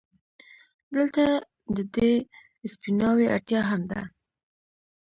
دلته د دې سپيناوي اړتيا هم ده،